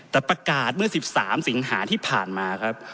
แต่ประกาศเมื่อ๑๓สิงหาที่ผ่านมาครับ